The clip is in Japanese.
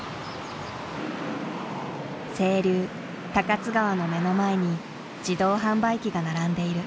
清流高津川の目の前に自動販売機が並んでいる。